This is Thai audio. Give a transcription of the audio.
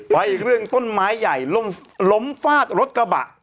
อีกเรื่องต้นไม้ใหญ่ล้มฟาดรถกระบะ